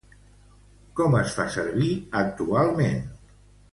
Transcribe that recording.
Com es fa servir actualment?